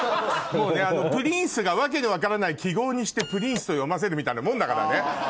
もうねプリンスが訳の分からない記号にしてプリンスと読ませるみたいなもんだからね。